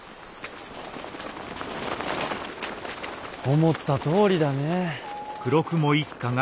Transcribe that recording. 思ったとおりだねえ。